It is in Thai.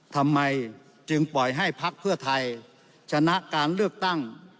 ทำไมจึงปล่อยให้พักเพื่อไทยชนะการเลือกตั้ง